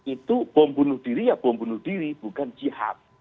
itu pembunuh diri ya pembunuh diri bukan jihad